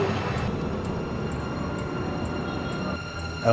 ngapain kamu kesini